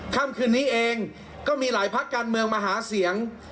ค่ำคืนนี้เองก็มีหลายพักการเมืองมาหาเสียง